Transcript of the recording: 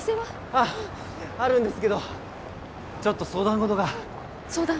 あるんですけどちょっと相談事が相談？